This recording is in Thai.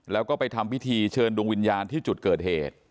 แล้วก็ไปทำพิธีเชิญดวงวิญญาณที่จุดเกิดเหตุ